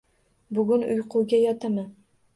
Bugun uyquga yotaman.